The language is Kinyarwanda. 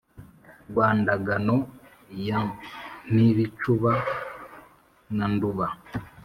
rwa ndagano ya mpibicuba na nduba